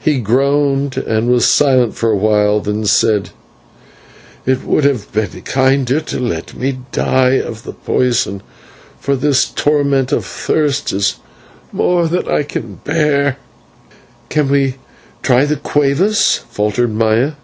He groaned and was silent for a while, then said: "It would have been kinder to let me die of the poison, for this torment of thirst is more than I can bear." "Can we try the /cueva/?" faltered Maya.